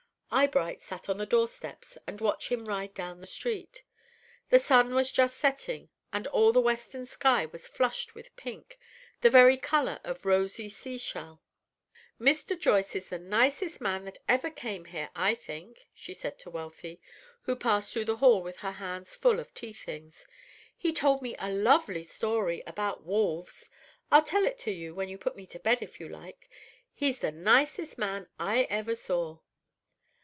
Eyebright sat on the door steps and watched him ride down the street. The sun was just setting, and all the western sky was flushed with pink, the very color of a rosy sea shell. "Mr. Joyce is the nicest man that ever came here, I think," she said to Wealthy, who passed through the hall with her hands full of tea things. "He told me a lovely story about wolves. I'll tell it to you when you put me to bed, if you like. He's the nicest man I ever saw."